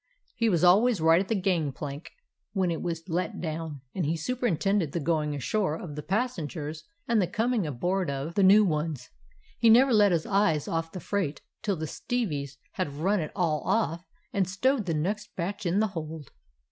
He was al ways right at the gangplank when it was let down, and he superintended the going ashore of the passengers and the coming aboard of the new ones. He never let his eye off the freight till the stevies had run it all off and stowed the next batch in the hold.